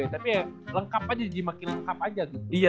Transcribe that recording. tapi ya lengkap aja jadi makin lengkap aja gitu